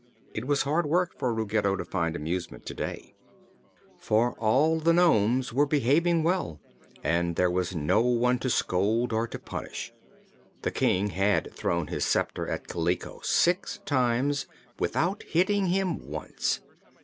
It was hard work for Ruggedo to find amusement to day, for all the nomes were behaving well and there was no one to scold or to punish. The King had thrown his sceptre at Kaliko six times, without hitting him once.